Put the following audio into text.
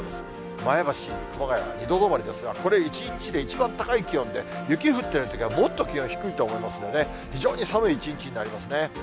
前橋、熊谷は２度止まりですが、これ一日で一番高い気温で、雪降ってるときは、もっと気温低いと思いますので、非常に寒い一日になりますね。